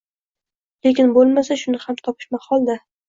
Lekin boʻlmasa, shuni ham topish mahol-da!